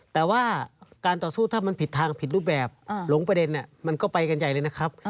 แต่ว่าการต่อสู้ถ้ามันผิดทางผิดรูปแบบหลงประเด็นมันก็ไปกันใหญ่เลยนะครับ